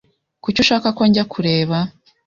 Kuki ushaka ko njya kureba ?